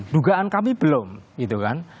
dugaan kami belum gitu kan